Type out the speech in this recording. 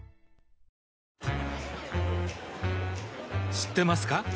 知ってますか？